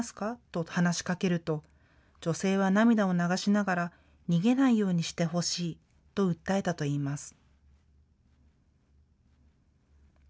と話しかけると女性は涙を流しながら逃げないようにしてほしいと訴えたといいます。